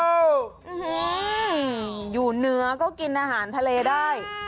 อื้อฮืออยู่เนื้อก็กินอาหารทะเลได้